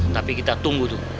tapi kita tunggu tuh